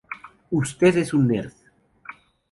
Usted es un nerd.